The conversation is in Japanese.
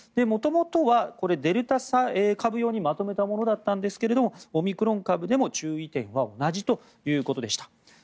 元々はこれ、デルタ株用にまとめたものだったんですがオミクロン株でも注意点は同じということでした。